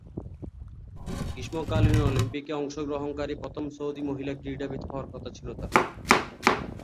গ্রীষ্মকালীন অলিম্পিকে অংশগ্রহণকারী প্রথম সৌদি মহিলা ক্রীড়াবিদ হওয়ার কথা ছিল তার।